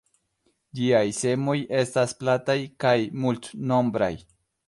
Ĝiaj semoj estas plataj kaj multnombraj.